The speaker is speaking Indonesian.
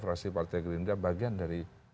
fraksi partai gerindra bagian dari